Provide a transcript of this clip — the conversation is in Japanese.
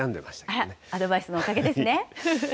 あら、アドバイスのおかげですね。